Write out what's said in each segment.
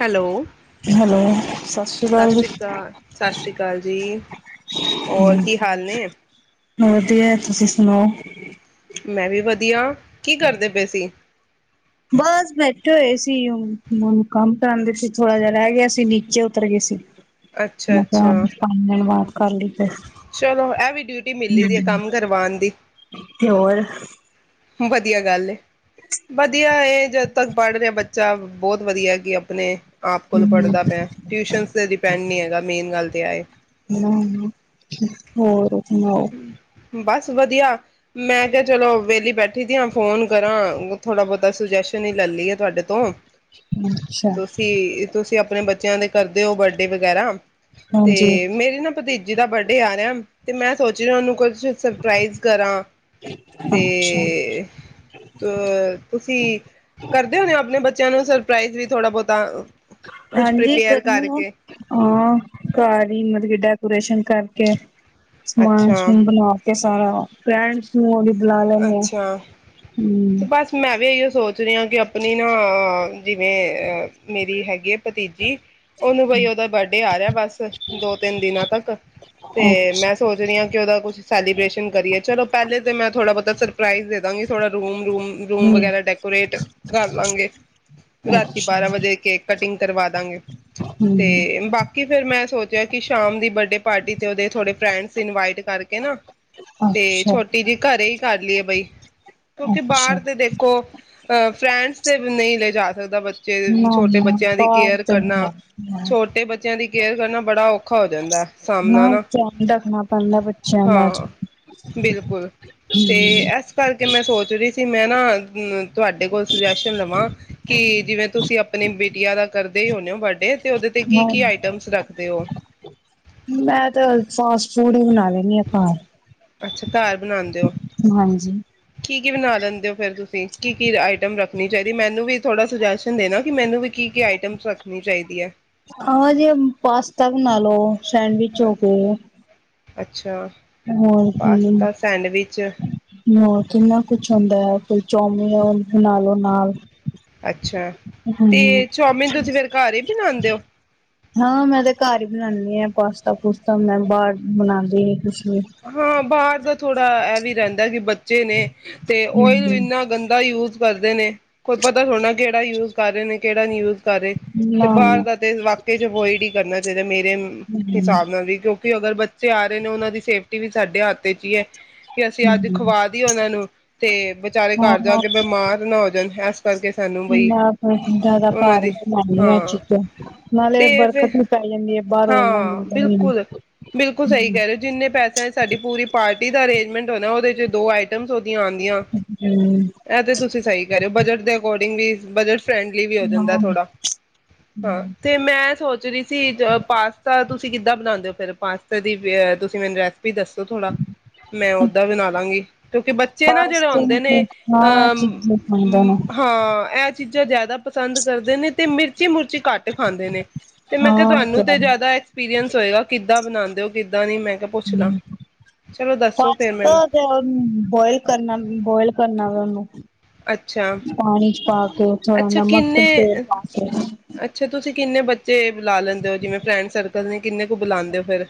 Hello, hello, ਸਤਿ ਸ੍ਰੀ ਅਕਾਲ ਸਤਿ ਸ੍ਰੀ ਅਕਾਲ ਜੀ ਹੋਰ ਕੀ ਹਾਲ ਨੇ, ਵਧੀਆ ਤੁਸੀਂ ਸੁਣਾਓ। ਮੈਂ ਵੀ ਵਧੀਆ। ਕੀ ਕਰਦੇ ਪਏ ਸੀ। ਇਕਠੇ ਹੋਏ ਸੀ, ਕੰਮ ਕਰਨ ਦੇ ਵਿੱਚ ਥੋੜਾ ਜਿਹਾ ਰਹਿ ਗਿਆ ਸੀ ਨੀਚੇ ਉਤਰ ਗਏ ਸੀ। ਅੱਛਾ ਮੈਂ ਅੱਛਾ, ਕਿਹਾਣ ਮਾਫ਼ ਕਰ ਲਈ [unintelligible] ਚਲੋ ਐਵ ਡਿਊਟੀ ਮਲੀ ਦੀ ਹੈ ਕੰਮ ਕਰਵਾਉਣ ਦੀ, ਤੇ ਹੋਰ ਵਧੀਆ ਗੱਲ ਏ ਵਧੀਆ ਇਹ ਜਦੋਂ ਤੱਕ ਪੜ੍ਹ ਰਿਹਾ ਬੱਚਾ ਬਹੁਤ ਵਧੀਆ ਕਿ ਆਪਣੇ, ਇਹ ਆਪ ਕੋਲ ਹੂੰ, ਪੜ੍ਹਦਾ ਪਿਆ ਟਿਊਸ਼ਨ ਤੇ ਡਿਪੈਂਡ ਨਹੀਂ ਹੈਗਾ ਮੇਨ ਗੱਲ ਤੇ ਏ ਹੈ। ਹੋਰ ਨੌ [unintelligible] ਬਸ ਵਧੀਆ ਮੈਂ ਕਿਹਾ ਚਲੋ ਵੇਹਲੀ ਬੈਠੀ ਦੀ ਹਾਂ ਫੋਨ ਕਰਾਂ ਥੋੜ੍ਹਾ ਬਹੁਤਾ ਸੁਜੈਸ਼ਨ ਹੀ ਲੈ ਲਈਏ ਤੁਹਾਡੇ ਤੋਂ। ਅੱਛਾ, ਤੁਸੀਂ-ਤੁਸੀਂ ਆਪਣੇ ਬੱਚੇ ਕਦੇ ਕਰਦੇ ਹੋ ਬਰਡੇ ਵਗੈਰਾ ਤੇ ਹਾਂਜੀ, ਮੇਰੀ ਨਾ ਭਤੀਜੀ ਜਿਦਾ ਬਰਡੇ ਆ ਰਿਹਾ, ਤੇ ਮੈਂ ਸੋਚ ਰੀ ਹਾਂ, ਉਹਨੂੰ ਕੁਝ ਸਰਪਰਾਾਈਜ਼ ਕਰਾਂ। ਤੇ ਅੱਛਾ। ਅ ਤੁਸੀਂ ਕਰਦੇ ਹੋਣੇ ਹੋ, ਆਪਣੇ ਬੱਚਿਆਂ ਨੂੰ ਸਰਪ੍ਰਾਈਜ਼ ਵੀ ਥੋੜਾ ਬਹੁਤਾ। ਕੁਛ ਹਾਂਜੀ, ਪ੍ਰੀਪੇਅਰ ਕਰਨਿਆ ਕਰਕੇ ਹਾਂ ਘਰ ਹੀ ਮਤਲਬ ਕਿ ਡੈਕੋਰੇਸ਼ਨ ਕਰਕੇ। ਅੱਛਾ ਸਮਾਨ-ਸਮੂਨ ਬਣਾ ਕੇ। ਹਾਂ ਫਰੈਂਟਸ ਨੂੰ ਵੀ ਬੁਲਾ ਲੈਂਨੇ ਆ। ਅੱਛਾ, ਤੇ ਹੂੰ, ਬਸ ਮੈਂ ਵੀ ਇਹੋ ਸੋਚ ਰਹੇ ਹਾਂ, ਕਿ ਆਪਣੀ ਨਾ ਜਿਵੇਂ ਮੇਰੀ ਹੈਗੀ ਹੈ, ਭਤੀਜੀ ਉਹਨੂੰ ਬਈ ਉਹਦਾ ਬਰਡੇ ਆ ਰਿਹਾ ਬਸ ਦੋ-ਤਿੰਨ ਦਿਨਾਂ ਤੱਕ ਤੇ ਮੈਂ ਅੱਛਾ, ਸੋਚ ਰਹੀ ਹਾਂ ਕਿ ਉਹਦਾ ਕੁਛ ਸੈਲੀਬ੍ਰੇਸ਼ਨ ਕਰੀਏ ਚਲੋ ਪਹਿਲੇ ਤਾਂ ਮੈਂ ਥੋੜ੍ਹਾ ਬਹੁਤਾ ਸ ਸਰਪਰਾਈਜ ਦੇ ਦਾਂਗੇ ਥੋੜਾ ਰੂਮ ਰੂ ਰੂਮ ਹੂੰ। ਵਗੈਰਾ ਡੈਕੋਰੇਟ ਕਰ ਲਾਂਗੇ, ਰਾਤੀ ਬਾਰਾਂ ਅੱਛਾ ਵਜੇ ਕੇਕ ਕਟਿੰਗ ਕਰਵਾ ਦਾਂਗੇ ਹੂੰ ਤੇ ਬਾਕੀ ਫੇਿਰ ਮੈਂ ਸੋਚ ਕਿ ਸ਼ਾਮ ਦੀ ਬਰਡੇ ਪਾਰਟੀ ਤੇ ਉਹਦੇ ਥੋੜੇ ਫਰੈਂਡਸ ਇਨਵਾਈਟ ਕਰਕੇ ਨਾ ਤੇ ਅੱਛਾ ਛੋਟੀ ਜਿਹੀ ਘਰੇ ਦੀਏ ਬਈ ਕਿਉਂਕਿ ਅੱਛਾ ਬਾਹਰ ਦੇ ਦੇਖੋ ਅ ਫਰੈਂਡਸ ਤੇ ਨਹੀਂ ਲੈ ਜਾ ਸਕਦਾ ਬੱਚਾ ਬੱਚੇ ਨਾ ਛੋਟੇ ਨਾ ਬੱਚਿਆਂ ਦੀ ਬਾਹਰ ਕੇਅਰ ਤੇ ਨੀ ਕਰਨਾ ਲੱਗਦੀਆਂ ਛੋਟੇ ਬੱਚਿਆਂ ਦੀ ਕੇਅਰ ਕਰਨਾ ਬੜਾ ਔਖਾ ਹੋ ਜਾਂਦਾ। ਸਾਹਮਣਾ ਨਾਲ ਨਾ ਧਿਆਨ ਰੱਖਣਾ ਪੈਂਦਾ ਬੱਚਿਆਂ ਦਾ ਅਜ ਹਾਂ ਬਿਲਕੁਲ ਤੇ ਏਸ ਕਰ ਕੇ ਮੈਂ ਸੋਚ ਰਹੀ ਸੀ ਮੈਂ ਨਾ ਕਿ ਤੁਹਾਡੇ ਕੋਲ ਸੁਜੈਸ਼ਨ ਲਵਾਂ ਕਿ ਜਿਵੇਂ ਤੁਸੀਂ ਆਪਣੀ ਬੇਟੀਆਂ ਦਾ ਕਰਦੇ ਹੋਨਾ, ਬਰਡੇ ਤੇ ਉਹਦੇ ਤੇ ਕੱਲ੍ਹ। ਕੀ-ਕੀ ਆਈਟਮਸ ਰੱਖਦੇ ਹੋ? [unintelligible] ਨਾਲ ਅੱਛਾ। ਘਰ ਬਣਾਉਂਦੇ ਹੋ। ਕੀ-ਕੀ ਬਣਾ ਲਿੰਦੇ ਹੋ ਫਿਰ ਤੁਸੀਂ ਕੀ ਕੀ ਆਈਟਮ ਰੱਖਣੀ ਚਾਹੀਦੀ ਮੈਨੂੰ ਵੀ ਥੋੜ੍ਹਾ ਸੁਜੈਸ਼ਨ ਦੇਣਾ ਕਿ ਮੈਨੂੰ ਵੀ ਕੀ-ਕੀ ਆਈਟਮਸ ਰੱਖਣੀ ਚਾਹੀਦੀ ਹੈ? ਆਓ, ਜੇ ਪਾਸਤਾ ਬਣਾ ਲੋ। ਸੈਂਡਵਿਚ ਹੋ ਗਏ। ਅੱਛਾ। ਹੋਰ ਕੀ ਪਾਸਤਾ ਸੈਂਡਵਿਚ ਹੋਰ ਕਿੰਨਾ ਕੁਛ ਹੁੰਦਾ ਹੈ ਕੋਈ ਚੋ ਉਹ ਨਾਲੋਂ ਨਾਲ। ਅੱਛਾ, ਤੇ ਹੂੰ ਚੌਮਿਨ ਤੁਸੀਂ ਫੇਰ ਘਰ ਹੀ ਬਣਾਉਦੇ ਹੋ। ਹਾਂ ਮੈਂ ਤੇ ਘਰ ਹੀ ਬਣਾਉਦੀ ਹਾਂ ਪਾਸਤਾ-ਪੂਸਤਾ ਮੈਂ ਬਾਹਰ ਬਣਾਉਂਦੀ ਨੀ ਕੁਛ ਵੀ ਹਾਂ ਬਾਹਰ ਦਾ ਥੋੜ੍ਹਾ ਇਹ ਵੀ ਰਹਿੰਦਾ ਕਿ ਬੱਚੇ ਨੇ ਤੇ ਓਇਲ ਹੂੰ ਇੰਨਾ ਗੰਦਾ ਯੂਜ ਕਰਦੇ ਨੇ। ਕੋਈ ਪਤਾ ਥੋੜਾ ਨਾ ਕਿਹੜਾ ਯੂਜ਼ ਕਰ ਰਹੇ ਨੇ ਕਿਹੜਾ ਨਿ ਊਜ਼ ਕਰੇ ਨਾ ਨਾ ਤੇ ਬਾਹਰ ਦਾ ਤੇ ਵਾਕਈ ਚ ਇਹਵਾੲਡ ਹੀ ਕਰਨਾ ਚਾਹੀਦਾ, ਮੇਰੇ ਹਿਸਾਬ ਹੂੰ ਨਾਲ ਵੀ ਕਿਉਂਕਿ ਤੇ ਅਗਰ ਬੱਚੇ ਆ ਰਹੇ ਨੇ ਉਹਨਾਂ ਦੀ ਸੇਫਟੀ ਕੀ ਵੀ ਤੋਹਾਡੇ ਹੱਥ ਹੀ ਹੈ ਕਿ ਅਸੀਂ ਅੱਜ ਹੂੰ ਖਵਾ ਦੀਏ ਉਹਨਾਂ ਨੂੰ ਤੇ ਵਿਚਾਰੇ ਹਾਂ ਘਰ ਜਾ ਕੇ ਬਿਮਾਰ ਨਾ ਹੋ ਜਾਣ ਇਸ ਕਰਕੇ ਸਾਨੂੰ ਬਈ ਮੈਂ ਫਿਰ ਜ਼ਿਆਦਾ ਉਹਨਾਂ ਘਰ ਦੀ ਹੀ ਬਣਾਉਣੀ ਹਾਂ ਆ ਚੀਜ਼ਾਂ ਨਾਲੇ ਤੇ ਫਿਰ ਬਰਕਤ ਵੀ ਪੈ ਜਾਂਦੀ ਹੈ ਬਾਹਰੋਂ ਇੰਨਾ ਹਾਂ ਮਿਲਦਾ ਨੀ ਬਿਲਕੁਲ-ਬਿਲਕੁਲ ਸਹੀ ਹੂੰ ਕਹਿ ਰਹੇ ਹੋ ਜਿੰਨੇ ਪੈਸੇ ਆ ਸਾਰੀ ਪੂਰੀ ਪਾਰਟੀ ਦਾ ਅਰੇਂਜਮੈਂਟ ਹੋ ਨਾ ਉਹਦੇ ਚ ਦੋ ਆਈਟਮ ਆਉਂਦੀਆਂ ਇਹ ਤੇ ਤੁਸੀਂ ਸਹੀ ਕਹ ਰਹੋ ਬਜਟ ਦੇ ਅਕੋਰਡਿੰਗ ਵੀ ਬਜਟ ਫਰੈਂਡਲੀ ਵੀ ਹੋ ਜਾਂਦਾ ਹਾਂ ਥੋੜਾ ਹਾਂ ਤੇ ਮੈਂ ਸੋਚ ਰਹੀ ਸੀ ਪਾਸਤਾ ਤੁਸੀਂ ਕਿੱਦਾਂ ਬਣਾਉਂਦੇ ਹੋ ਫੇਿਰ ਪਾਸਤਾ ਦੀ ਤੁਸੀਂ ਮੈਨੂੰ ਰਸ ਵੀ ਦੱਸੋ ਥੋੜਾ ਮੈਂ ਉਹਦਾਂ ਬਣਾ ਲਾਂਗੀ ਕਿਉਂਕਿ ਬੱਚੇ ਨਾ ਜਿਹੜੇ ਪਾਸਤੇ ਆਉਂਦੇ ਨੇ ਨੂੰ ਹਾਂ ਚੀਜ਼ਾਂ ਖਾਂਦੇ ਨੇ ਅਹ ਹਾਂ ਇਹ- ਚੀਜ਼ਾਂ ਜ਼ਿਆਦਾ ਪਸੰਦ ਕਰਦੇ ਨੇ, ਤੇ ਮਿਰਚੀ ਮਿਰਚੀ ਘੱਟ ਖਾਂਦੇ ਨੇ। ਤੇ ਮੈਂ ਕਿਹਾ ਹਾਂ ਤੁਹਾਨੂੰ ਮਤਲਬ ਤੇ ਜ਼ਿਆਦਾ ਐਕਸਪੀਰੀਅੰਸ ਹੋਏਗਾ ਕਿੱਦਾਂ ਬਣਾਦ ਕਿਦਾਂ ਦੀ ਹੂੰ ਫਿਰ ਪਾਸਤਾ ਮੈਨੂੰ [unintelligible] ਬੋਇਲ ਕਰਨਾ ਬੋਇਲ ਕਰਨਾ ਵੇ ਅੱਛਾ [inaudible] ਪਾਣੀ ਚ ਪਾ ਕੇ ਥੋੜਾ ਅੱਛਾ ਨਮਕ ਤੇ ਕਿੰਨੇ ਤੇਲ ਪਾ ਕੇ ਅੱਛਾ ਤੁਸੀਂ ਕਿੰਨੇ ਬੱਚੇ ਬੁਲਾ ਲੈਂਦੇ ਹੋ? ਜਿਵੇਂ ਫਰੈਂਡ ਸਰਕਲ ਨੇ, ਕਿੰਨੇ ਕੁ ਬੁਲਾਉਂਦੇ ਹੋ ਫਿਰ?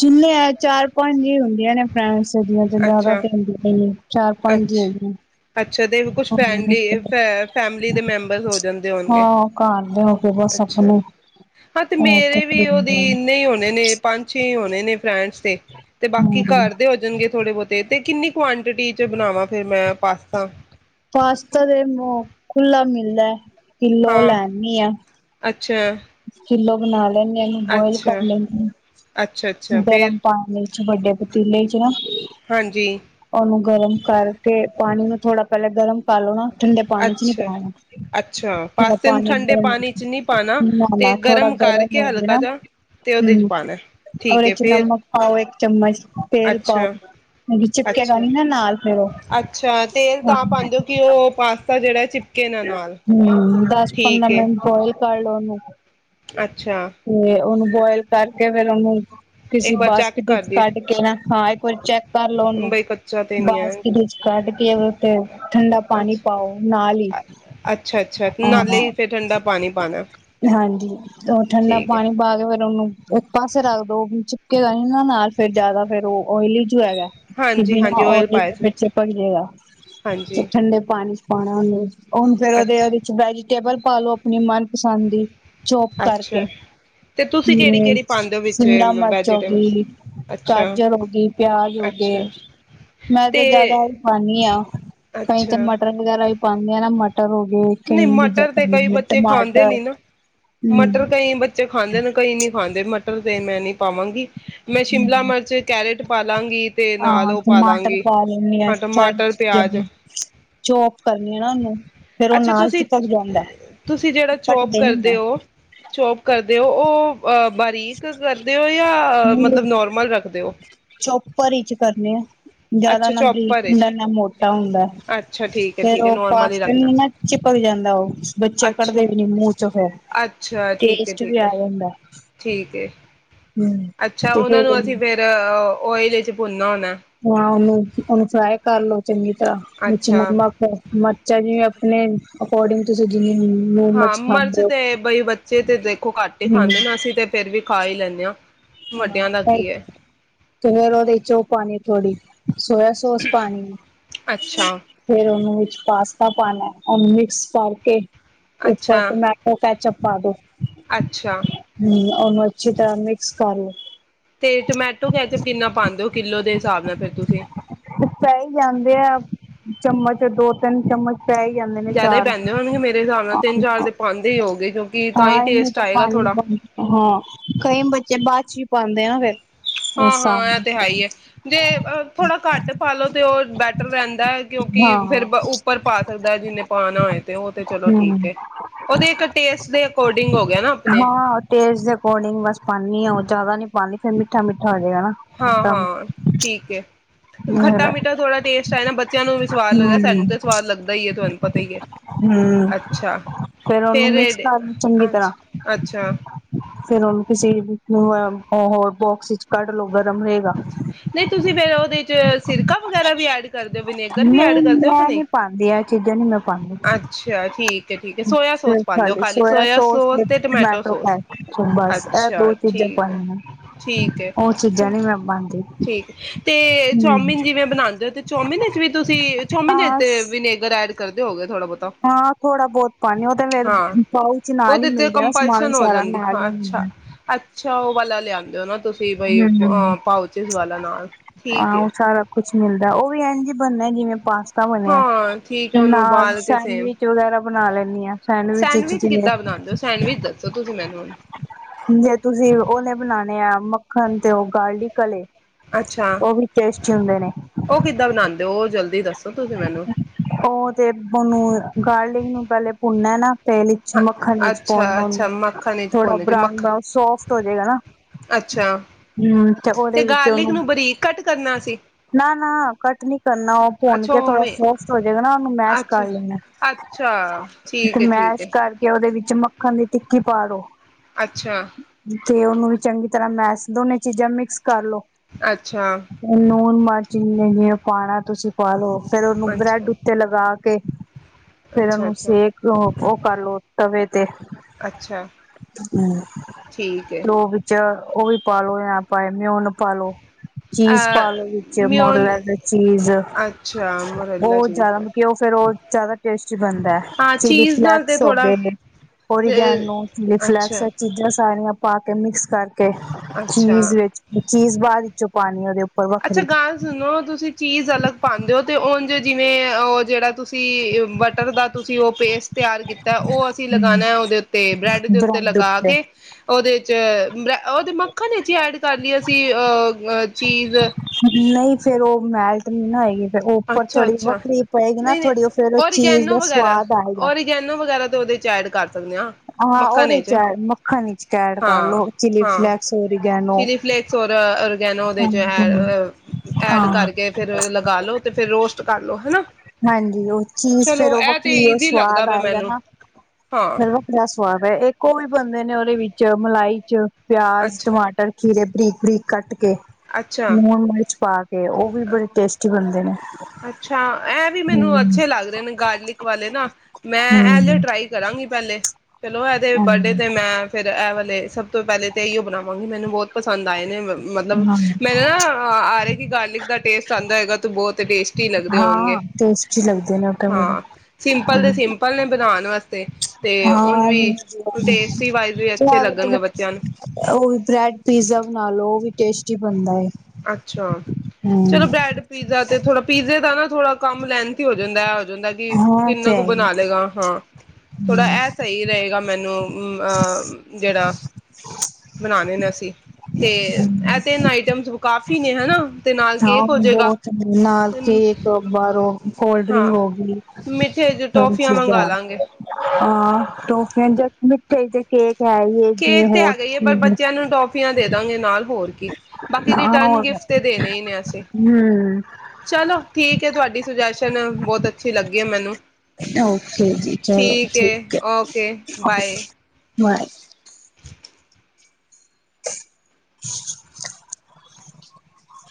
ਜਿੰਨੇ ਹੈ, ਚਾਰ-ਪੰਜ ਹੀ ਹੁੰਦੀਆਂ ਨੇ ਫਰੈਂਡਸ ਹੁੰਦੀਆਂ ਅੱਛਾ ਨੇ ਚਾਰ-ਪੰਜ ਹੀ ਅੱਛਾ ਹੈਗੀਆਂ। ਅੱਛਾ ਤੇ ਕੁਛ ਫੈਮਲੀ ਦੇ ਮੈਂਬਰਸ ਹੋ ਜਾਂਦੇ ਹੋਣਗੇ। ਹਾਂ ਘਰ ਦੇ ਹੋ ਕੇ ਬਸ ਅੱਛਾ ਆਪਣੇ ਹਾਂ ਤੇ ਉਹ ਮੇਰੇ ਵੀ ਉਹਦੀ ਹਮ ਇੰਨੇ ਹੀ ਹੋਣੇ ਨੇ ਪੰਜ ਛੇ ਹੋਣੇ ਨੇ ਫਰੈਂਡਸ ਤੇ, ਤੇ ਬਾਕੀ ਘਰ ਦੇ ਹੋ ਜਾਣਗੇ ਥੋੜੇ ਬਹੁਤੇ, ਤੇ ਕਿੰਨੀ ਕੁਆਂਟਿਟੀ ਚ ਬਣਾਵਾਂ? ਫਿਰ ਮੈਂ ਪਾਸ ਪਾਸਤਾ ਤੇ ਮ ਖੁੱਲਾ ਮਿਲਦਾ ਏ ਕਿਲੋ ਹਾਂ ਲੈ ਆਣੀ ਆ। ਅੱਛਾ ਕਿਲੋ ਬਣਾ ਲੈਂਦੇ ਹਾਂ। ਇਹਨੂੰ ਬੋਇਲ ਕਰ ਅੱਛਾ ਲੈਣੀ ਅੱਛਾ ਅੱਛਾ ਹਾਂ। ਫੇਰ ਗਰਮ ਪਾਣੀ ਚ ਵੱਡੇ ਪਤੀਲੇ ਚ ਨਾ ਹਾਂਜੀ ਉਹਨੂੰ ਗਰਮ ਕਰਕੇ ਪਾਣੀ ਨੂੰ ਥੋੜਾ ਪਹਿਲਾ ਗਰਮ ਕਰਲੋ ਨਾ ਠੰਡੇ ਪਾਣੀ ਚ ਨੀ ਅੱਛਾ ਪੈਣਾ, ਅੱਛਾ ਥੋੜਾ ਪਾਸਤੇ ਨੂੰ ਪਾਣੀ ਠੰਡੇ ਗਰਮ ਹੋ, ਪਾਣੀ ਚ ਨਹੀਂ ਪਾਣਾ ਤੇ ਨਾ-ਨਾ ਥੋੜਾ ਗਰਮ ਕਰਕੇ ਹੋ ਜੇ ਨਾ, ਹਲਕਾ ਜਾ ਤੇ ਉਹਦੇ ਚ ਹੂੰ ਪਾਣਾ ਠੀਕ ਉਹਦੇ ਹੈ ਚ ਫੇਰ ਨਮਕ ਪਾਓ ਇੱਕ ਚਮਚ, ਤੇਲ ਪਾਓ ਅੱਛਾ ਅੱਛਾ, ਅੱਛਾ ਤੇਲ ਤਾਂ ਪਾਉਂਦੇ ਹੋ ਕਿ ਉਹ ਪਾਸ ਤਾ ਜਿਹੜਾ ਚਿਪਕੇ ਨਾ ਨਾਲ ਹੂੰ ਦਸ, ਠੀਕ ਪੰਦਰਾਂ ਏ ਮਿੰਟ ਬੋਇਲ ਕਰ ਲੋ ਉਹ ਨੂੰ ਅੱਛਾ। ਬੋਇਲ ਕਰਕੇ ਫੇਰ ਉਹਨੂੰ ਕਿਸੀ ਇੱਕ ਵਾਰ ਚੈੱਕ ਬਾਸਕਿਟ ਈਚ ਕਰਦੀ ਕੱਢ ਕੇ ਨਾ, ਹਾਂ ਇੱਕ ਵਾਰੀ ਚੈੱਕ ਕਰ ਲਓ ਉਹਨੂੰ। ਬਈ ਕੱਚਾ ਤੇ ਨਹੀਂ ਹੈ ਬਾਸਕਿਟ ਈਚ ਕੱਢ ਕੇ ਓਹਦੇ ਉੱਤੇ ਠੰਡਾ ਪਾਣੀ ਅੱਛਾ ਪਾਓ, ਨਾਲ ਹੀ। ਅੱਛਾ ਅੱਛਾ ਨਾਲੇ ਹਾਂ-ਹਾਂ ਹੀ ਫਿਰ ਠੰਡਾ ਪਾਣੀ ਪਾਉਣਾ ਹਾਂਜੀ, ਉਹ ਠੰਡਾ ਠੀਕ ਹੈ ਪਾਣੀ ਪਾ ਕੇ ਫਿਰ ਉਹਨੂੰ ਇੱਕ ਪਾਸੇ ਰੱਖ ਦੋ ਵਿਚ [unintelligible] ਨਾ ਨਾਲ ਫੇਰ ਜਿਆਦਾ ਫੇਰ ਉਹ ਓਇਲੀ ਕੀ ਹੈਗਾ ਏ? ਹਾਂਜੀ ਹਾਂਜੀ ਬਿਨਾਂ ਓਇਲ ਪਾਇਆ ਦੇ ਸੀ ਵਿੱਚ ਚਿਪਕ ਜੇਗਾ, ਤੇ ਹਾਂਜੀ ਠੰਡੇ ਪਾਣੀ ਚ ਪਾਣਾ ਉਹਨੇ, ਹੁਣ ਫੇਰ ਉਹਦੇ-ਉਹਦੇ ਅੱਛਾ ਚ ਬਹਿ ਟੇਬਲ ਪਾ ਲੋ ਆਪਣੀ ਮਨਪਸੰਦ ਦੀ। ਚੋਪ ਕਰਕੇ ਅੱਛਾ ਤੇ ਤੁਸੀਂ ਕਿਹੜੀ [unintelligible] ਕਿਹੜੀ ਪਾਉਂਦੇ ਹੋ ਵਿੱਚ ਸਿਮਲਾ ਮਰਚ ਹੋ ਵੈਜੀਟੇਬਲਸ ਗਈ, ਅੱਛਾ ਗਾਜਰ ਹੋ ਗਈ, ਪਿਆਜ ਹੋ ਗਏ। ਅੱਛਾ ਮੈਂ ਤੇ ਜਿਆਦਾ ਖਾਣੀ ਹਾਂ। ਕਈ ਤੇ ਅੱਛਾ ਮਟਰ ਵਗੈਰਾ ਪਾਉਦੇ ਆ ਨਾ ਮਟਰ ਹੋ ਗਏ ਨਹੀਂ ਕਈ ਚੀਜ਼ਾਂ ਮਟਰ ਤੇ ਪਾਂਦੇ ਕਈ ਨੇ ਬੱਚੇ ਖਾਂਦੇ ਟਮਾਟਰ ਨੀ ਨਾ, ਹੂੰ ਮਟਰ ਕਈ ਬੱਚੇ ਖਾਂਦੇ ਨੇ, ਕਈ ਨਹੀਂ ਖਾਂਦੇ ਮਟਰ ਮਟਰ ਤੇ ਮੈਂ ਨੀ ਪਾਵਾਂਗੀ। ਮੈਂ ਸ਼ਿਮਲਾ ਹੂੰ, ਮਿਰਚ ਕੈਰਟ ਪਾ ਲਾਂਗੀ ਤੇ ਨਾਲ ਹਾਂ ਉਹ ਪਾ ਟਮਾਟਰ ਲਾਂਗੀ। ਪਾ ਲੈਣੀ ਆ [unintelligible] ਹਾਂ ਟਮਾਟਰ ਚੀਜ਼ਾਂ ਪਿਆਜ ਨੀ, ਚੋਪ ਕਰਨੀ ਆ ਨਾ ਉਹਨੂੰ ਫੇਰ ਉਹ ਅੱਛਾ ਨਾਲ ਤੁਸੀਂ ਚਿਪਕ ਜਾਂਦਾ ਐ। ਤੁਸੀਂ ਜਿਹੜਾ ਚੋਪ ਕੱਟਦੇ ਨੀ ਕਰਦੇ ਹੋ ਚੋਪ ਕਰਦੇ ਹੋ ਉਹ ਆ ਬਾਰੀਕ ਕਰਦੇ ਹੋ ਜਾਂ ਮੈਂ ਮਤਲਬ ਨੋਰਮਲ ਰੱਖਦੇ ਹੋ ਚੋਪਰ ਵਿਚ ਕਰਨੇ ਆ ਜਿਆਦਾ ਅੱਛਾ ਨਾ ਬਰੀਕ ਚੋਪਰ ਏ ਹੁੰਦਾ ਨਾ ਮੋਟਾ ਹੁੰਦਾ ਅੱਛਾ ਠੀਕ ਹੈ ਠੀਕ ਹੈ ਨੋਰਮਲ ਹੀ ਰੱਖਣਾ। ਕ ਜਾਂਦਾ ਉਹ ਬੱਚੇ ਅੱਛਾ। ਕੱਢਦੇ ਵੀ ਨੀ ਮੂੰਹ ਚੋਂ ਫੇਰ ਅੱਛਾ ਠੀਕ ਹੈ ਟੇਸਟ ਵੀ ਠੀਕ ਆ ਹੈ ਜਾਂਦਾ। ਠੀਕ। ਤੇ ਹੂੰ ਅੱਛਾ ਤੇ ਉਹਨਾਂ ਫੇਰ ਨੂੰ ਅਸੀਂ ਫੇਰ ਆ ਉਹ ਇਹਦੇ ਚ ਭੁੰਨਨਾ ਆ ਹਾਂ ਉਹਨੂੰ ਉਹਨੂੰ ਫਰਾਏ ਕਰ ਲੋ ਚੰਗੀ ਤਰ੍ਹਾਂ ਵਿੱਚ ਅੱਛਾ। ਨਮਕ ਮਰਚਾ ਜਿਵੇਂ ਅਕੋਰਡਿੰਗ ਤੁਸੀਂ ਜਿਵੇਂ ਹੂੰ ਹਾਂ ਮਰਚ ਤੇ ਬਈ ਬੱਚੇ ਤੇ ਦੇਖੋ ਘੱਟ ਹੀ ਖਾਂਦੇ ਨਾ ਅਸੀਂ ਤੇ ਫੇਰ ਵੀ ਖਾਈ ਲੈਂਦੇ ਹਾਂ ਵੱਡਿਆਂ ਦਾ ਹਾਂ ਕੀ ਹੈ ਤੇ ਫਰ ਉਹਦੇ ਚੋ ਪਾਣੀ ਥੋੜੀ ਸੋਇਆ ਸੋਸ ਪਾਣੀ ਆ ਅੱਛਾ ਫੇਰ ਉਹਨੂੰ ਪਾਸਤਾ ਪਾਣਾ ਉਹ ਮਿਕਸ ਕਰਕੇ ਅੱਛਾ ਉਪਰ ਟਮੈਟੋ ਕੈਚਅਪ ਪਾ ਦੋ ਅੱਛਾ ਉਹ ਨੂੰ ਅੱਛੀ ਤਰ੍ਹਾ ਮਿਕਸ ਕਰ ਲੋ। ਤੇ ਟਮੈਟੋ ਕੈਚਅਪ ਕਿੰਨਾ ਪਾਂਦੇ ਹੋ ਕਿੱਲੋ ਦੇ ਹਿਸਾਬ ਨਾਲ ਫਿਰ ਤੁਸੀਂ ਪੈ ਹੀ ਜਾਂਦੇ ਆ ਚਮਚ ਦੋ ਤਿੰਨ ਚਮਚ ਪੈ ਹੀ ਜਾਂਦੇ ਨੇ ਜ਼ਿਆਦਾ ਹੀ ਚਾਰ ਪੈਂਦੇ ਹੋਣਗੇ ਮੇਰੇ ਹਿਸਾਬ ਨਾਲ ਤਿੰਨ ਚਾਰ ਦੇ ਪਾਉਂਦੇ ਹੀ ਹੋਗੇ ਕਿਉਂਕਿ ਤਾਂ ਹਾਂ ਹੀ ਇਨੀ ਟੇਸਟ ਤਾਂ ਆਏਗਾ ਪਾਣੀ ਥੋੜਾ ਹਾਂ ਕਈ ਬੱਚੇ ਬਾਅਦ ਚ ਪਾਂਦੇ ਆ ਫਿਰ ਹਾਂ ਹਾਂ ਇਹ ਤੇ ਹੈ ਹੀ ਹੈ ਜੇ ਥੋੜਾ ਘੱਟ ਪਾਲੋ ਤੇ ਉਹ ਬੈਟਰ ਰਹਿੰਦਾ ਹੈ ਕਿਉਂਕਿ ਫਿਰ ਹਾਂ ਉਪਰ ਪਾ ਸਕਦਾ ਜਿੰਨੇ ਪਾ ਨਾ ਹੋਏ ਤੇ ਉਹ ਤੇ ਚਲੋ ਹੂੰ ਠੀਕ ਹੈ ਉਹ ਤੇ ਇੱਕ ਟੇਸਟ ਦੇ ਅਕੋਰਡਿੰਗ ਹੋ ਗਿਆ ਨਾ ਆਪਣੇ ਹਾਂ ਟੇਸਟ ਦੇ ਫੇਰ ਮਿੱਠਾ ਮਿੱਠਾ ਹੋ ਜੇ ਗਾਾ ਹਾਂ-ਹਾਂ ਠੀਕ ਹੈ ਖੱਟਾ ਮੀਠਾ ਥੋੜਾ ਟੇਸਟ ਹੈ ਨਾ ਬੱਚਿਆਂ ਨੂੰ ਵੀ ਸਵਾਦ ਲੱਗਦਾ ਹੂੰ ਸਾਨੂੰ ਤੇ ਸਵਾਦ ਲੱਗਦਾ ਹੀ ਹੈ ਤੁਹਾਨੂੰ ਪਤਾ ਹੀ ਹੈ ਹੂੰ ਅੱਛਾ ਉਹਨੂੰ ਫੇਰ ਮਿਕਸ ਕਰ ਲੋ ਚੰਗੀ ਅੱਛ ਤਰ੍ਹਾਂ ਅੱਛਾ ਫੇਰ ਉਹਨੂੰ ਕਿਸੇ ਹੋਰ ਬੋਕਸ ਚ ਕੱਢ ਲੋ ਗਰਮ ਰਹੇਗਾ ਨਹੀਂ ਤੁਸੀਂ ਫਿਰ ਉਹਦੇ 'ਚ ਸਿਰਕਾ ਵਗੈਰਾ ਵੀ ਐਡ ਕਰ ਦਿਓ ਵਿਨੇਗਰ ਵੀ ਐਡ ਨਹੀਂ ਕਰ ਦਿਓ ਕਿ ਮੈਂ ਨਹੀਂ ਨੀ ਪਾਂਦੀ ਇਹ ਅੱਛਾ ਠੀਕ ਹੈ ਠੀਕ ਹੈ ਸੋਇਆ ਸੋਸ ਪਾਉਂਦੇ ਹੋ ਖ਼ਾਲੀ ਖਾਲੀ ਸੋਇਆ ਸੋਸ ਤੇ ਟਮੈਟੋ ਸੋਸ। ਬਸ, ਬਸ ਇਹ ਦੋ ਅੱਛਾ ਚੀਜ਼ਾਂ ਠੀਕ ਹੈ ਪਾਣੀ ਆ ਠੀਕ ਹੈ। ਉਹ ਚੀਜ਼ਾਂ ਨੀ ਮੈਂ ਪਾਂਦੀ ਠੀਕ ਤੇ ਹੂੰ ਚੌਮਿਨ ਜਿਵੇਂ ਬਣਾਉਂਦੇ ਹੋ ਤੇ ਚੌਮਿਨ ਵਿਚ ਵੀ ਤੁਸੀਂ ਚੌਮਿਨ ਵਿੱਚ ਤੇ ਆਸ ਵਿਨੇਗਰ ਐਡ ਕਰਦੇ ਹੋਗੇ ਥੋੜਾ ਬਹੁਤਾ। ਹਾਂ, ਥੋੜਾ ਬਹੁਤ ਪਾਉਣੀ ਉਹ ਤਾਂ ਫਿਰ ਹਾਂ ਪਾਊਚ ਨਾਲ ਹੀ ਉਹਦੇ ਤੇ ਮਿਲਦੇ ਨਾ ਸਮਾਨ ਕੰਪਲਸ਼ਨ ਹੋ ਸਾਰਾ ਜਾਂਦੀ ਨਾਲ ਹਾਂ ਹੀ ਅੱਛਾ ਮਿਲਦਾ ਅੱਛਾ ਉਹ ਵਾਲਾ ਲਿਆਂਦੇ ਹੋ ਨਾ ਤੁਸੀਂ ਬਈ,,, ਹੂੰ। ਅ ਪਾਊਚਿਸ ਵਾਲਾ ਨਾਲ ਠੀਕ ਹਾਂ, ਏ ਉਹ ਸਾਰਾ ਕੁਛ ਮਿਲਦਾ ਉਹ ਵੀ ਐਂਜ ਬਣਨਾ ਜਿਵੇਂ ਪਾਸ ਤਾ ਬਣਿਆ, ਹਾਂ ਠੀਕ ਹੈ ਉਹਨੂੰ ਨਾਲ ਉਬਾਲ ਕੇ ਸੇਮ ਸੈਂਡਵਿਚ ਵਗੈਰਾ, ਬਣਾ ਲੈਂਦੀ ਆ ਸੈਂਡਵਿਚ ਵਿੱਚ ਜਿਵੇਂ ਕਿੱਦਾਂ ਬਣਾਉਂਦੇ ਹੋ ਸੈਂਡਵਿਚ ਦੱਸੋ ਤੁਸੀਂ ਮੈਨੂੰ ਹੁਣ ਜੇ ਤੁਸੀਂ ਉਹ ਲੇ ਬਣਾਉਣੇ ਆ ਮ [inaudible] ਹੰਡੀ ਕਲੇ ਅੱਛਾ! ਉਹ ਕਿੱਦਾਂ ਬਣਾਉਂਦੇ ਓ, ਉਹ ਜਲਦੀ ਦੱਸੋ ਤੁਸੀਂ ਮੈਨੂੰ ਉਹ ਤੇ ਉਹਨੂੰ ਗਾਰਲਿੰਗ ਨੂੰ ਪਹਿਲੇ ਭੁੰਨਨਾ ਨਾ ਤੇਲ ਵਿੱਚ ਹਾਂ, ਮੱਖਣ ਚ ਅੱਛਾ ਪਾਉਣਾ ਉਹਨੂੰ ਅੱਛਾ ਮੱਖਣ ਵਿੱਚ ਥੋੜ੍ਹਾ ਭੁੰਨ ਕੇ ਬਰਾਨ ਮੱਖਣ ਬਰਾਊਨ ਸੋਫਟ ਹੋਜੇਗਾ ਨਾ ਅੱਛਾ ਹਮ ਤੇ ਉਹਦੇ ਵਿੱਚ ਗਾਰਲਿਕ ਉਹਨੂੰ ਨੂੰ ਬਰੀਕ ਕੱਟ ਕਰਨਾ ਸੀ ਨਾ, ਨਾ, ਕੱਟ ਨੀ ਕਰਨਾ ਉਹ ਭੁੰਨ ਅੱਛਾ ਕੇ ਥੋੜਾ ਉਵੇਂ ਸੋਫਟ ਹੋ ਜਾਏਗਾ ਨਾ ਉਹਨੂੰ ਮੈਸ਼ ਕਰ ਅੱਛਾ ਲੈਣਾ ਅੱਛਾ ਤੇ ਠੀਕ ਹੈ ਠੀਕ ਮੈਸ਼ ਹੈ ਕਰਕੇ ਉਹਦੇ ਵਿੱਚ ਮੱਖਣ ਦੀ ਟਿੱਕੀ ਪਾ ਦਿਉ ਅੱਛਾ ਤੇ ਉਹਨੂੰ ਵੀ ਚੰਗੀ ਤਰ੍ਹਾਂ ਮੈਸ ਦੋਨੇ ਚੀਜ਼ਾਂ ਮਿਕਸ ਕਰਲੋ ਅੱਛਾ ਲੂਣ ਮਰਚੀ ਨਹੀਂ ਨਹੀਂ ਉਹ ਪਾਉਣਾ ਤੁਸੀਂ ਪਾ ਲਉ ਫੇਰ ਉਹਨੂੰ ਅੱਛਾ, ਬ੍ਰੈਡ ਉੱਤੇ ਲਗਾ ਕੇ ਕੇ ਫੇਰ ਅੱਛਾ, ਉਹਨੂੰ ਅੱਛਾ, ਸੇਕ ਲਉ ਉਹ ਕਰ ਲਓ, ਤਵੇ ਤੇ, ਅੱਛਾ ਠੀਕ ਹੈ। ਸਲੋ ਵਿੱਚ ਉਹ ਵੀ ਪਾ ਲੋ ਐ ਪਾਏ ਮਿਓਹਨ ਪਾ ਲੋ ਚੀਜ਼ ਪਾ ਅ ਲੋ ਵਿੱਚ ਮਿਓਨ ਮੋਰਲਾਜ ਚੀਜ਼ ਅੱਛਾ, ਮੋਰਲਾ ਚੀਜ਼ ਹੈ। ਬਹੁਤ ਜ਼ਿਆਦਾ ਟੇਸਟੀ ੳ ਬਣਦਾ, ਚਿਲੀ ਚੀਜ਼ ਨਾਲ ਤੇ ਫਲੈਕਸ, ਹੋ ਥੋੜਾ ਗਏ ਤੇ- ਓਰੀਗੈਨੋ, ਚਿਲੀ ਫਲੈਕਸ, ਅੱਛਾ, ਇਹ ਚੀਜ਼ਾਂ ਸਾਰੀਆਂ ਪਾ ਕੇ ਮਿਕਸ ਕਰਕੇ ਅੱਛਾ, ਚੀਜ਼ ਵਿੱਚ ਚੀਜ਼ ਬਾਅਦ ਵਿੱਚੋਂ ਪਾਣੀ ਉਹਦੇ ਉੱਪਰ ਅੱਛਾ ਵੱਖਰੀ ਗੱਲ ਸੁਣੋ ਤੁਸੀਂ ਚੀਜ਼ ਅਲੱਗ ਪਾਉਂਦੇ ਹੋ? ਤੇ ਉਝ ਜਿਵੇਂ ਉਹ ਜਿਹੜਾ ਤੁਸੀਂ ਬਟਰ ਦਾ ਤੁਸੀਂ ਉਹ ਪੇਸਟ ਤਿਆਰ ਕੀਤਾ ਉਹ ਅਸੀਂ ਲਗਾਣਾ ਉਹਦੇ ਉੱਤੇ ਬ੍ਰੈਡ ਦੇ ਉੱਤੇ ਲਗਾ ਕੇ ਉਹਦੇ ਚ ਉਹਦੇ ਮੱਕਣ ਵਿੱਚ ਹੀ ਐਡ ਕਰਨੀ ਅਸੀਂ ਆ ਚੀਜ਼ ਨਹੀਂ ਫੇਰ ਉਹ ਮੈਲਟ ਨਹੀਂ ਨਾ ਹੋਏਗੀ ਫੇਰ ਉੱਪਰ ਥੋੜ੍ਹੀ ਅੱਛਾ-ਅੱਛਾ ਵੱਖਰੀ ਪਏਗੀ ਨਾ ਨਹੀਂ-ਨਹੀਂ ਥੋੜੀ ਫੇਰ ਉਹ ਚੀਜ਼ ਓਰੀਗੈਨੋ ਦਾ ਵਗੈਰਾ ਸਵਾਦ ਆਏਗਾ। ਓਰੀਗੈਨੋ ਵਗੈਰਾ ਉਹਦੇ ਚ ਐਡ ਕਰ ਸਕਦੇ ਹਾਂ। ਹਾਂ ਮੱਖਣ ਉਹਦੇ ਇਚ ਚ ਐ ਮੱਖਣ ਚ ਐਡ ਕਰ ਲੋ ਚਿਲੀ ਹਾਂ-ਹਾਂ ਫਲੈਕਸ ਹੋ ਰੀ ਚਿਲੀ ਫਲੇਕਸ ਔਰ ਔਰੀਗੈਨੋ ਉਹਦੇ ਚ ਐਡ ਹਾਂ ਕਰਕੇ ਫਿਰ ਲਗਾ ਲੋ ਤੇ ਫਿਰ ਰੋਸਟ ਕਰ ਲੋ ਹਨਾ ਹਾਂਜੀ ਉਹ ਚੀਜ਼ ਫੇਰ ਚਲੋ ਉਹ ਇਹ ਤੇ ਵੱਖਰੀ ਉਹ ਈਜ਼ੀ ਲੱਗਦਾ ਸਵਾਦ ਪਿਆ ਆਏਗਾ ਮੈਨੂੰ ਨਾ ਹਾਂ ਫਿਰ ਵੱਖਰਾ ਸਵਾਦ ਹੈ ਇੱਕ ਉਹ ਵੀ ਬਣਦੇ ਨੇ ਵਿੱਚ ਮਲਾਈ ਚ ਪਿਆਜ਼ ਟਮਾਟਰ ਖੀਰੇ ਬਰੀਕ ਬਰੀਕ ਕੱਟ ਕੇ ਅੱਛਾ-ਅੱਛਾ ਲੂਣ ਮਿਰਚ ਪਾ ਕੇ ਉਹ ਵੀ ਬੜੇ ਟੇਸਟੀ ਬਣਦੇ ਜ ਅੱਛਾ ਐ ਵੀ ਮੈਨੂੰ ਅੱਛੇ ਲੱਗ ਰਹੇ ਨੇ ਗਾਰਲਿਕ ਵਾਲੇ ਨਾ ਮੈਂ ਇਹਲੇ ਹਮ ਟਰਾਈ ਕਰਾਂਗੀ ਪਹਿਲੇ ਚਲੋ ਇਹਦੇ ਬਡੇ ਹਮ ਤੇ ਮੈਂ ਫਿਰ ਐ ਵਾਲੀ ਸਭ ਤੋਂ ਪਹਿਲੇ ਤੇ ਇਹੀਓ ਬਣਾਵਾਂਗੇ ਮੈਨੂੰ ਬਹੁਤ ਪਸੰਦ ਆਏ ਨੇ ਮਤਲਬ ਹਾਂ ਮੈਨੂੰ ਨਾ ਆ ਰਹਾ ਕਿ ਗਾਰਲਿਕ ਦਾ ਟੇਸਟ ਆਂਦਾ ਹੈਗਾ ਤੇ ਬਹੁਤ ਵੇਸ ਹਾਂ ਟੇਸਟੀ ਲੱਗਦੇ ਨੇ ਉਹ ਬੜੇ ਹੂੰ ਨਮਸਤੇ ਹਾਂ ਮੈਨੂੰ ਵਾਈਜ਼ ਵੀ ਅੱਛੇ ਲੱਗਣਗੇ ਬੱਚਿਆਂ ਨੂੰ ਉਹ ਵੀ ਬ੍ਰੈਡ ਪੀਜ਼ਾ ਬਣਾ ਲੋ ਉਹ ਵੀ ਟੇਸਟੀ ਬਣਦਾ ਵੈ ਅੱਛਾ ਚਲੋ ਬ੍ਰੈਡ ਪੀਜ਼ਾ ਤੇ ਥੋੜਾ ਪੀਜ਼ੇ ਦਾ ਨਾ ਥੋੜਾ ਕੰਮ ਲੈਂਨਥੀ ਹੋ ਜਾਂਦਾ ਏ ਫਿਰ ਹੁੰਦਾ ਕਿ, ਹਾਂ ਕਿੰਨਾ ਤੇ ਕੁ ਹੈ ਹੀ ਬਣਾ ਲਏਗਾ ਹਾਂ ਥੋੜਾ, ਇਹ ਸਹੀ ਰਹੇਗਾ ਮੈਨੂੰ ਅ, ਹਾਂ, ਜਿਹੜਾ ਬਣਾਉਣੇ ਨੇ ਅਸੀਂ ਤੇ, ਇਹ ਤਿੰਨ ਆਈਟਮ ਕਾਫ਼ੀ ਨੇ ਹਨਾ ਤੇ ਨਾਲ ਹਾਂ, ਕੇਕ ਹੋ ਜਾਏਗਾ ਬਹੁਤ ਨਾਲ ਕੇਕ ਬਾਹਰੋਂ ਕੋਲਡ ਹਾਂ ਡਰਿੰਕ ਹੋ ਗਈ, ਮਿੱਠੇ ਚ ਹਰ ਟੋਫੀਆਂ ਮੰਗਵਾ ਚੀਜ਼ਾਂ, ਲਾਂਗੇ ਹਾਂ, ਟੋਫੀਆਂ ਜਸਟ ਠ ਦੇਖੇ [unintelligible] ਕੇਕ ਤੇ ਹੈਗਾ ਹੀ ਹੈ, ਪਰ ਬੱਚਿਆਂ ਨੂੰ ਟੋਫੀਆਂ ਦੇ ਦਾਂਗੇ ਨਾਲ ਹੋਰ ਬਾਕੀ ਨਾ ਰਿਟਰਨ ਹੋਰ ਗਿਫਟ ਤਾਂ ਦੇਣੇ ਹੀ ਨੇ ਅਸੀਂ, ਹਮ ਚਲੋ ਠੀਕ ਹੈ ਤੁਹਾਡੀ ਸੁਜੈਸ਼ਨ ਬਹੁਤ ਅੱਛੀ ਲੱਗੀ ਹੈ ਮੈਨੂੰ, ਓਕੇ ਜੀ ਚਲੋ ਠੀਕ ਹੈ, ਓਕੇ ਬਾਏ ਬਾਏ [inaudible]